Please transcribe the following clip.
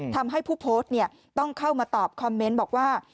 ทำให้ผู้โพสต์ต้องเข้ามาตอบคอมเมนต์บอกว่า